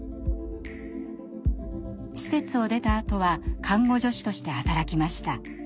施設を出たあとは看護助手として働きました。